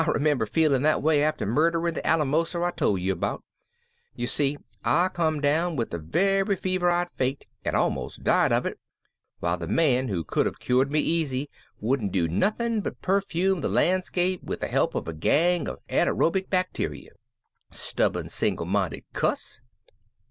I remember feeling that way after murdering the Alamoser I told you about. You see, I come down with the very fever I'd faked and almost died of it, while the man who could have cured me easy wouldn't do nothing but perfume the landscape with the help of a gang of anaerobic bacteria. Stubborn single minded cuss!"